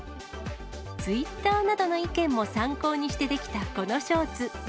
ツイッターなどの意見も参考にして出来たこのショーツ。